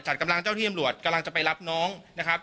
กำลังเจ้าที่อำรวจกำลังจะไปรับน้องนะครับ